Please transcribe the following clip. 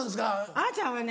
あーちゃんはね